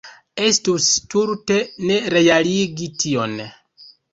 Estus stulte ne realigi tion.